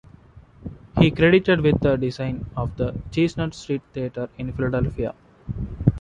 He is credited with the design of the Chestnut Street Theatre in Philadelphia.